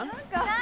何？